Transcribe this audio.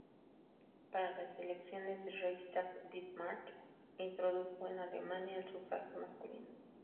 Para las elecciones al Reichstag, Bismarck introdujo en Alemania el sufragio masculino.